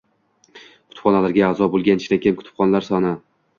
kutubxonalarga a’zo bo‘lgan chinakam kitobxonlar soni